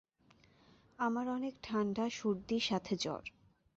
আমার অনেক ঠান্ডা, সর্দি সাথে জ্বর।